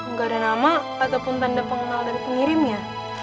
nggak ada nama ataupun tanda pengenal dari pengirimnya